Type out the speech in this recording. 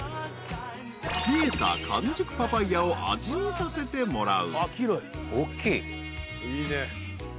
［冷えた完熟パパイアを味見させてもらう］